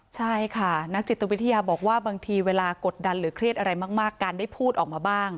ใช่ค่ะนักจิตวิทยาบอกว่าบางทีเวลากดดันหรือเครียดอะไรมากการได้พูดออกมาบ้าง